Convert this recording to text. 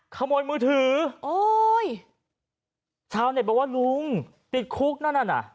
ขโมยมือถือโอ้ยชาวเน็ตบอกว่าลุงติดคุกนั่นน่ะ